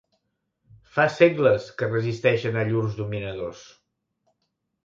Fa segles que resisteixen a llurs dominadors.